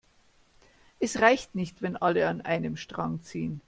Es reicht nicht, wenn alle an einem Strang ziehen.